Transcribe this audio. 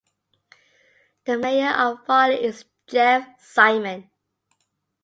The mayor of Farley is Jeff Simon.